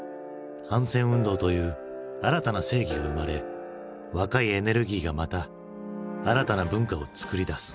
反戦運動という新たな正義が生まれ若いエネルギーがまた新たな文化をつくり出す。